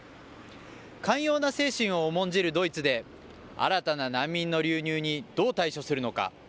寛容な精神を重んじるドイツで、新たな難民の流入にどう対処するのか。